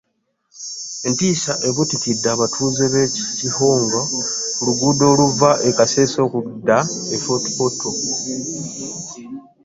Entiisa ebuutikidde abatuuze b'e Kihogo ku luguudo oluva e Kasese okudda e Fort Portal